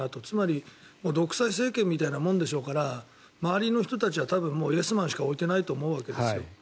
つまり独裁政権みたいなものでしょうから回りの人たちは多分、イエスマンしか置いてないと思うわけですよ